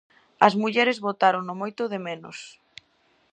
As mulleres votarano moito de menos.